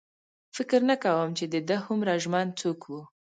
فکر نه کوم چې د ده هومره ژمن څوک و.